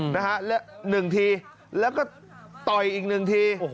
นะฮะหนึ่งทีแล้วก็ต่อยอีกหนึ่งที